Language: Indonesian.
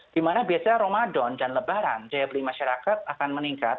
dimana biasanya ramadan dan lebaran daya beli masyarakat akan meningkat